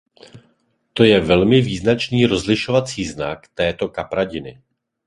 To je velmi význačný rozlišovací znak této kapradiny.